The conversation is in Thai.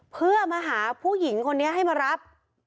เพื่อมาหาผู้หญิงคนนี้ให้มารับ